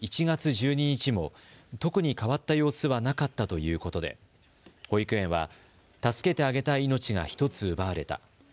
１月１２日も特に変わった様子はなかったということで保育園は助けてあげたい命が１つ奪われた。